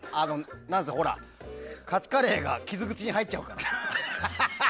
なんせ、カツカレーが傷口に入っちゃうから。